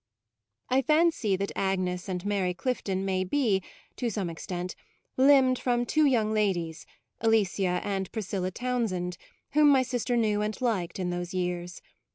I fancy that Agnes and Mary Clifton may be, to some extent, limned from two young ladies, Alicia and Priscilla Townsend, whom my sister knew and liked in those years.